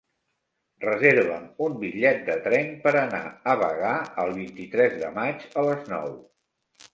Reserva'm un bitllet de tren per anar a Bagà el vint-i-tres de maig a les nou.